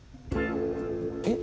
えっ？